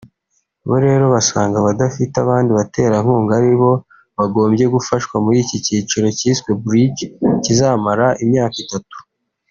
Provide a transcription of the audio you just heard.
Bo rero basanga abadafite abandi baterankunga ari bo bagombye gufashwa muri iki cyiciro cyiswe “Bridge” kizamara imyaka itatu